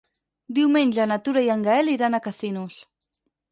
Diumenge na Tura i en Gaël iran a Casinos.